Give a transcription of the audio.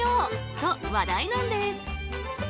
と話題なんです。